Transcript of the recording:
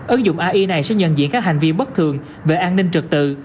ấn dụng ai này sẽ nhận diện các hành vi bất thường về an ninh trực tự